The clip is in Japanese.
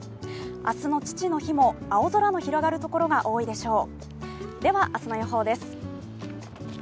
明日の父の日も、青空の広がるところが多いでしょう。